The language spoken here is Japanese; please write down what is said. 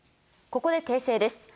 ここで訂正です。